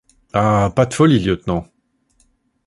Ah ! pas de folie, lieutenant !